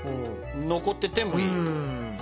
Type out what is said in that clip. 残っててもいい？